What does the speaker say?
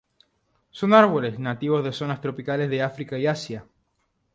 Son árboles, nativos de zonas tropicales de África y Asia.